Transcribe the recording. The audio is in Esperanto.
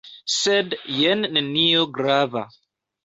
Sed jen nenio grava.